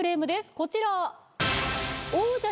こちら。